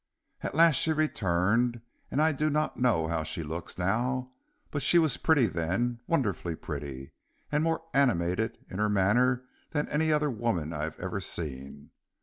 "At last she returned, and I do not know how she looks now, but she was pretty then, wonderfully pretty, and more animated in her manner than any other woman I have ever seen.